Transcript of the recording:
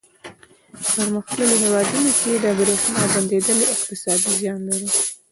په پرمختللو هېوادونو کې د برېښنا بندېدل اقتصادي زیان لري.